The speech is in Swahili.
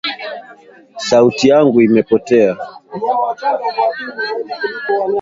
Sauti yangu imepotea